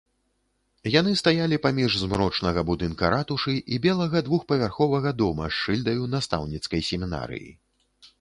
Яны стаялі паміж змрочнага будынка ратушы і белага двухпавярховага дома з шыльдаю настаўніцкай семінарыі.